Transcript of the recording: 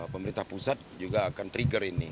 pemerintah pusat juga akan trigger ini